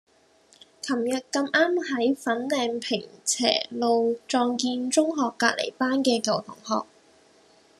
噚日咁啱喺粉嶺坪輋路撞見中學隔離班嘅舊同學